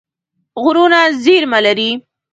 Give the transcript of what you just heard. غرونه زیرمه لري.